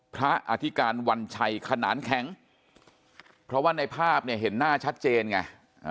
อธิการวัญชัยขนานแข็งเพราะว่าในภาพเนี่ยเห็นหน้าชัดเจนไง